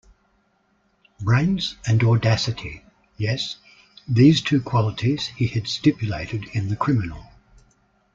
Brains and audacity — yes, these two qualities he had stipulated in the criminal.